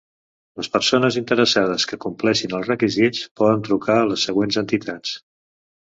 Les persones interessades que compleixin els requisits, poden trucar a les següents entitats.